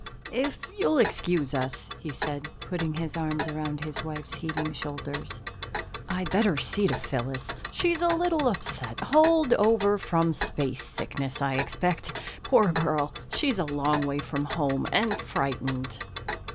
"If you'll excuse us," he said, putting his arm around his wife's heaving shoulders, "I'd better see to Phyllis; she's a little upset. Holdover from spacesickness, I expect. Poor girl, she's a long way from home and frightened."